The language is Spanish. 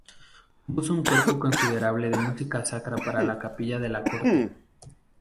Compuso un cuerpo considerable de música sacra para la capilla de la corte.